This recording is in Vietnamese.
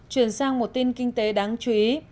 chuyển sang một tin kinh tế đáng chú ý